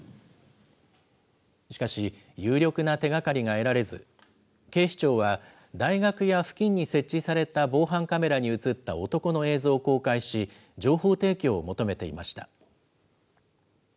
しかし有力な手がかりが得られず、警視庁は、大学や付近に設置された防犯カメラに写った男の映像を公開し、情報提供を求めていました。